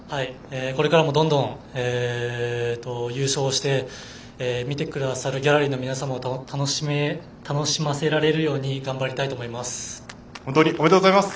これからもどんどん優勝して見てくださるギャラリーの皆様を楽しませられるように本当におめでとうございます。